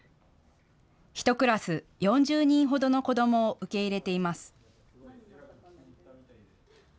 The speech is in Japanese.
１クラス４０人ほどの子どもを受け入れています。